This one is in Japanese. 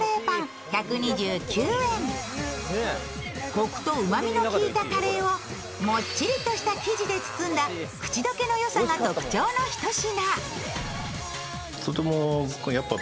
こくとうまみの効いたカレーをもっちりとした生地で包んだ口溶けの良さが特徴のひと品。